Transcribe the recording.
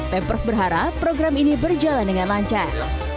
pemprov berharap program ini berjalan dengan lancar